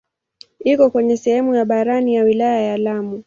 Iko kwenye sehemu ya barani ya wilaya ya Lamu.